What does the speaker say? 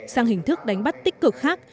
sang hình thức đánh bắt tích cực khác